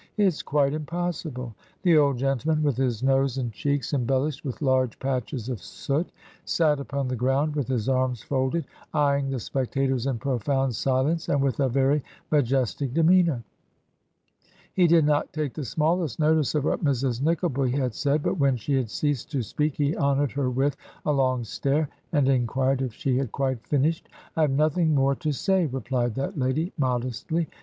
It's quite im possible.' ... The old gentleman, with his nose and cheeks embellished with large patches of soot, sat upon the ground with his arms folded, eying the spec tators in*profound silence, and with a very majestic de meanor. He did not take the smallest notice of what Mrs. Nickleby had said, but when she had ceased to speak he honored her with a long stare and inquired if she had quite finished. 'I have nothing more to say,' replied that lady modestly.